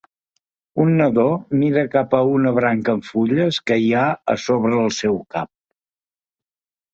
Un nadó mira cap a una branca amb fulles que hi ha a sobre del seu cap.